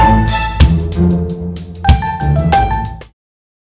hanya hanya bikin mengharumes mahasiswa bukit